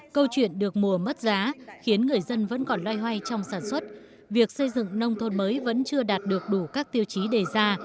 câu chuyện được mùa mất giá khiến người dân vẫn còn loay hoay trong sản xuất việc xây dựng nông thôn mới vẫn chưa đạt được đủ các tiêu chí đề ra